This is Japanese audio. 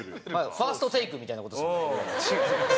ファーストテイクみたいな事ですもん。